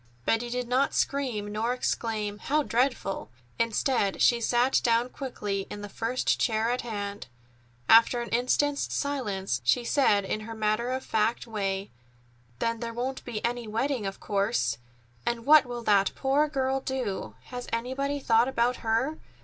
Betty did not scream nor exclaim, "How dreadful!" Instead, she sat down quickly in the first chair at hand. After an instant's silence, she said in her matter of fact way: "Then there won't be any wedding, of course! And what will that poor girl do? Has anybody thought about her?